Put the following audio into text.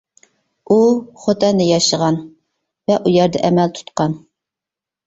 ئۇ خوتەندە ياشىغان ۋە ئۇيەردە ئەمەل تۇتقان.